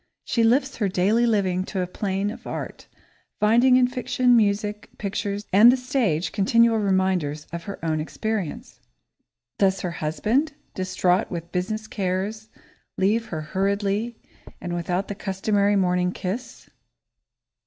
She lifts her daily living to a plane of art, finding in fiction, music, pictures, and the stage continual reminders of her own experience. Does her husband, distraught with business cares, leave her hurriedly and without the customary morning kiss?